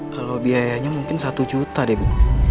kalau biayanya mungkin satu juta deh ibu